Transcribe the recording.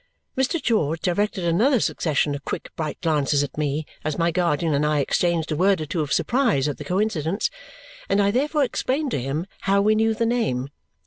Mr. George directed another succession of quick bright glances at me as my guardian and I exchanged a word or two of surprise at the coincidence, and I therefore explained to him how we knew the name.